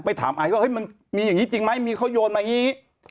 ถามไอซ์ว่ามันมีอย่างนี้จริงไหมมีเขาโยนมาอย่างนี้